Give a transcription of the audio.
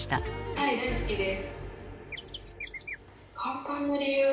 はい大好きです。